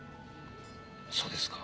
そうですか。